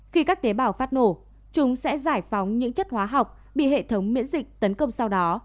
khi các tế bào phát nổ chúng sẽ giải phóng những chất hóa học bị hệ thống miễn dịch tấn công sau đó